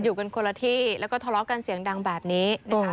อยู่กันคนละที่แล้วก็ทะเลาะกันเสียงดังแบบนี้นะคะ